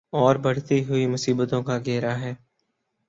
اوربڑھتی ہوئی مصیبتوں کا گھیرا ہے۔